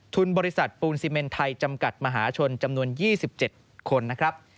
บริษัทปูนซีเมนไทยจำกัดมหาชนจำนวน๒๗คนนะครับ